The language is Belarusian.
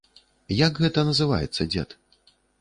Як гэта называецца, дзед?